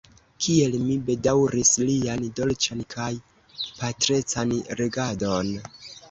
Kiel mi bedaŭris lian dolĉan kaj patrecan regadon!